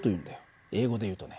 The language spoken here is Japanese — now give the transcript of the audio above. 英語でいうとね